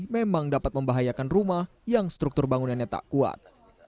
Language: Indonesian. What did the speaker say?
memang dapat membahayakan rumah yang struktur bangunannya tak kuat